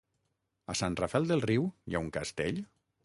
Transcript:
A Sant Rafel del Riu hi ha un castell?